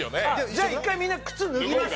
じゃあ１回みんな靴脱ぎます？